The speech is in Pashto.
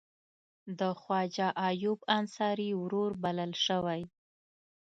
د خواجه ایوب انصاري ورور بلل شوی.